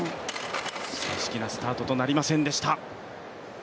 正式なスタートとなりませんでした。